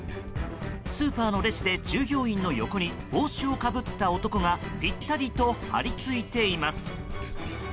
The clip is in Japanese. スーパーのレジで従業員の横に帽子をかぶった男がぴったりと張り付いています。